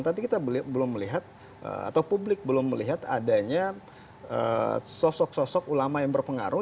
tapi kita belum melihat atau publik belum melihat adanya sosok sosok ulama yang berpengaruh